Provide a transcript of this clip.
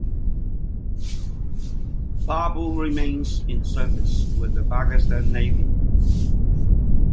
"Babur" remains in service with the Pakistan Navy.